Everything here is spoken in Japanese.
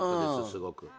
すごく。